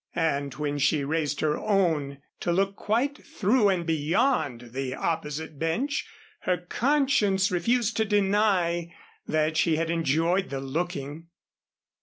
And when she raised her own to look quite through and beyond the opposite bench, her conscience refused to deny that she had enjoyed the looking.